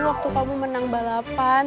waktu kamu menang balapan